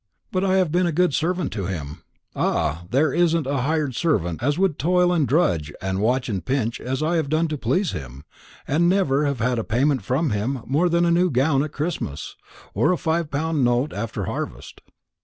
But I have been a good servant to him; ah! there isn't a hired servant as would toil and drudge, and watch and pinch, as I have done to please him, and never have had payment from him more than a new gown at Christmas, or a five pound note after harvest.